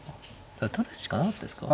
取るしかなかったですか。